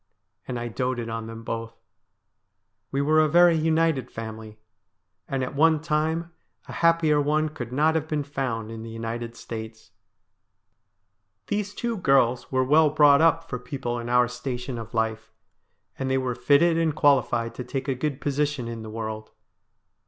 And I doted on them both. We were a very united family, and at one time a happier one could not have been found in the United States. THE STORY OF A HANGED MAN 275 These two girls were well brought up for people in our station of life, and they were fitted and qualified to take a good position in the world.